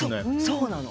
そうなの。